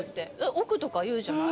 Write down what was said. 億とかいうじゃない。